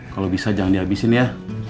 kalau bisa jangan dihabisin ya